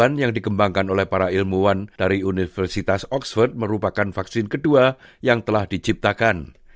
vaksin r dua puluh satu yang dikembangkan oleh para ilmuwan dari universitas oxford merupakan vaksin kedua yang telah diciptakan